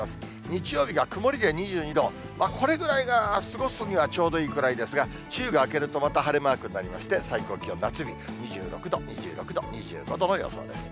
日曜日が曇りで２２度、これぐらいが過ごすにはちょうどいいくらいですが、週が明けると、また晴れマークになりまして、最高気温、夏日、２６度、２６度、２５度の予想です。